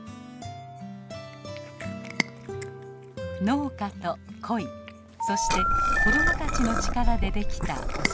農家とコイそして子供たちの力で出来たお酒。